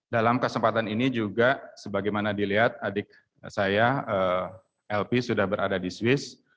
dalam kesempatan ini juga sebagaimana dilihat adik saya lp sudah berada di swiss